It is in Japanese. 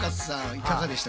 いかがでした？